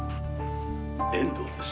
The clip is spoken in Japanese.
遠藤です。